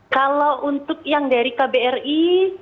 kalau untuk yang dari kbri